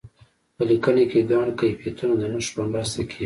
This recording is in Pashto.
په لیکنه کې ګڼ کیفیتونه د نښو په مرسته کیږي.